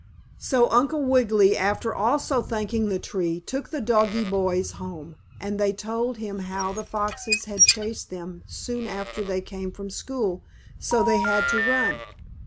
So Uncle Wiggily, after also thanking the tree, took the doggie boys home, and they told him how the foxes had chased them soon after they came from school, so they had to run.